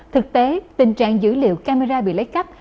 thực tế tình trạng dữ liệu camera bị lấy cắp